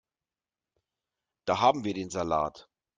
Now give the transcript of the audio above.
Da haben wir den Salat.